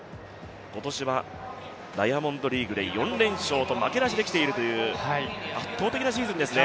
今年はダイヤモンドリーグで４連勝と負けなしで来ているという圧倒的なシーズンですね。